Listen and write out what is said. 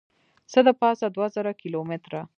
څه دپاسه دوه زره کیلو متره